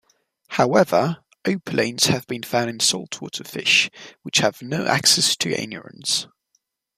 However, opalines have been found in saltwater fish which have no access to anurans.